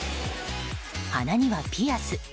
鼻にはピアス。